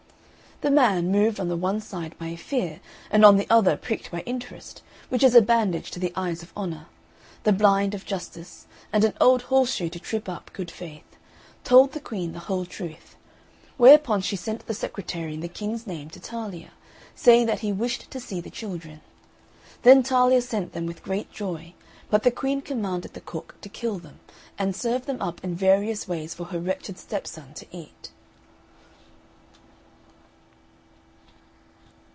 The man, moved on the one side by fear, and on the other pricked by interest, which is a bandage to the eyes of honour, the blind of justice, and an old horse shoe to trip up good faith, told the Queen the whole truth. Whereupon she sent the secretary in the King's name to Talia, saying that he wished to see the children. Then Talia sent them with great joy, but the Queen commanded the cook to kill them, and serve them up in various ways for her wretched stepson to eat.